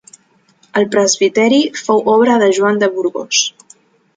El presbiteri fou obra de Joan de Burgos.